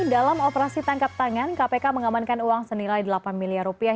dalam operasi tangkap tangan kpk mengamankan uang senilai delapan miliar rupiah